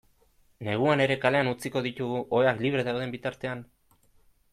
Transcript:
Neguan ere kalean utziko ditugu, oheak libre dauden bitartean?